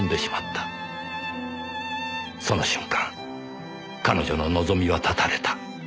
その瞬間彼女の望みは絶たれた。